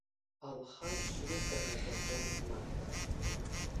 Алхас иҳәара даҿын Марҭа.